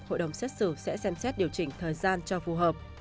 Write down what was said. hội đồng xét xử sẽ xem xét điều chỉnh thời gian cho phù hợp